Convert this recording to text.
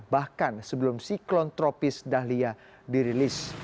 bahkan sebelum siklon tropis dahlia dirilis